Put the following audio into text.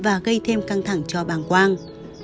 các bác sĩ có thể gây thêm căng thẳng cho bàng quang